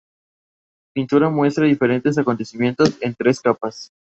La pintura muestra diferentes acontecimientos en tres capas.